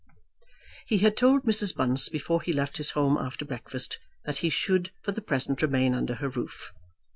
He had told Mrs. Bunce, before he left his home after breakfast, that he should for the present remain under her roof.